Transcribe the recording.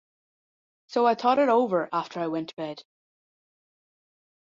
So I thought it over after I went to bed.